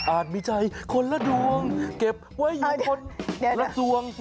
มีใจคนละดวงเก็บไว้อยู่คนละสวง